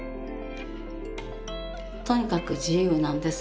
とにかく自由なんです。